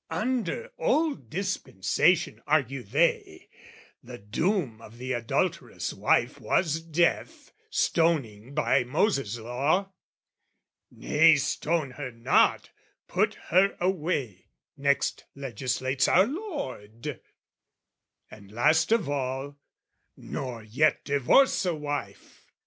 Under old dispensation, argue they, The doom of the adulterous wife was death, Stoning by Moses' law. "Nay, stone her not, "Put her away!" next legislates our Lord; And last of all, "Nor yet divorce a wife!"